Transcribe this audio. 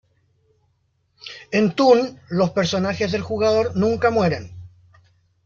En "Toon", los personajes del jugador nunca mueren.